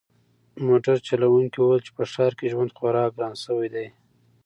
موټر چلونکي وویل چې په ښار کې ژوند خورا ګران شوی دی.